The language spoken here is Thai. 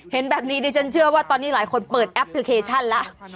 เห็นแบบนี้ดิฉันเชื่อว่าตอนนี้หลายคนเปิดแอปพลิเคชันแล้ว